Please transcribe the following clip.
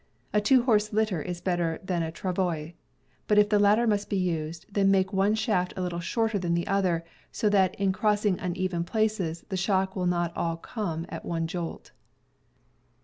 A two horse litter is better than a travois; but if the latter must be used, then make one shaft a little shorter than the other, so that, in crossing uneven places, the shock will not all come at one jolt.